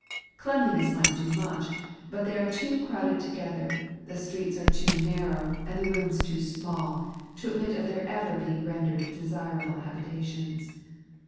Cleanliness might do much, but they are too crowded together, the streets are too narrow, and the rooms too small, to admit of their ever being rendered desirable habitations.